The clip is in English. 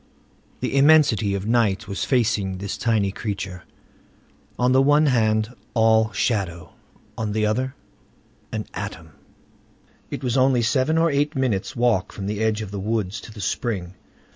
The immensity of night was facing this tiny creature. On the one hand, all shadow; on the other, an atom. It was only seven or eight minutes' walk from the edge of the woods to the spring.